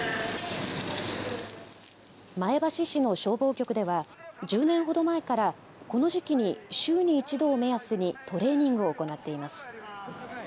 前橋市の消防局では１０年ほど前からこの時期に週に１度を目安にトレーニングを行っています。